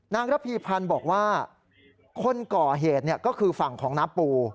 ระพีพันธ์บอกว่าคนก่อเหตุก็คือฝั่งของน้าปู